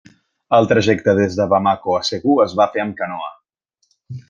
El trajecte des de Bamako a Ségou es va fer amb canoa.